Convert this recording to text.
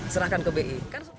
serahkan ke bi